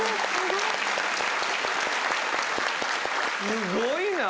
すごいな。